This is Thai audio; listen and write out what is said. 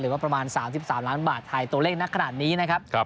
ว่าประมาณ๓๓ล้านบาทไทยตัวเลขนักขนาดนี้นะครับ